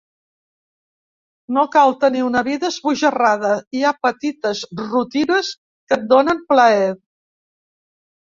No cal tenir una vida esbojarrada: hi ha petites rutines que et donen plaer.